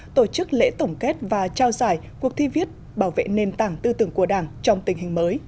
tổ chức lễ tổng kết và trao giải cuộc thi viết bảo vệ nền tảng tư tưởng của đảng trong tình hình mới